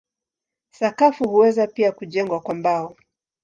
Sakafu huweza pia kujengwa kwa mbao.